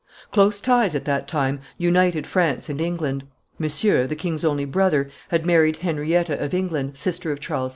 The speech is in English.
Close ties at that time united France and England. Monsieur, the king's only brother, had married Henrietta of England, sister of Charles II.